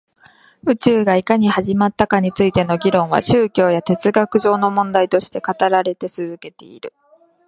宇宙がいかに始まったかについての議論は宗教や哲学上の問題として語られて続けている